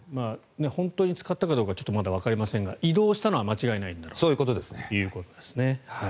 本当に使ったかどうかまだわかりませんが移動したのは間違いないということですね。